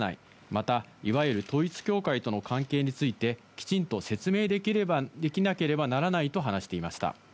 また、いわゆる統一教会との関係について、きちんと説明できなければならないと話していました。